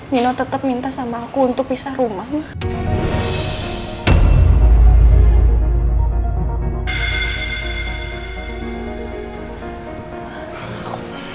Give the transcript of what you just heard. nino tetep minta sama aku untuk pisah rumah mah